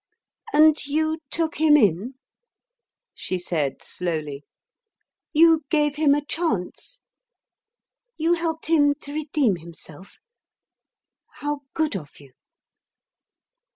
"And you took him in?" she said slowly. "You gave him a chance? You helped him to redeem himself? How good of you."